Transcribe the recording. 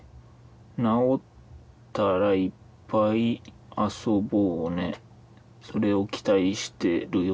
なおったらいっぱいあそぼうねそれをきたいしてるよ」